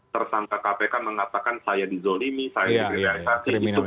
tersangka kpk mengatakan saya dizolimi saya direalisasi